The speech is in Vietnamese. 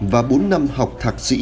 và bốn năm học thạc sĩ